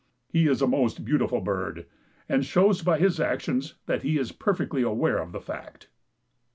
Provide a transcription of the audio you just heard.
He is a most beautiful bird, and shows by his actions that he is perfectly aware of the fact."